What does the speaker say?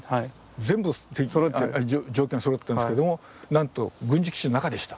全部状況がそろってるんですけどもなんと軍事基地の中でした。